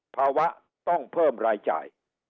ภาวะต้องเพิ่มรายจ่าย